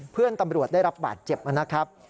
เพื่อนตำรวจได้รับบาดเจ็บนะครับ